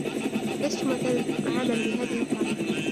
لست معتادا أن أعامَلَ بهذه الطريقة.